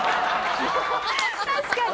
確かに。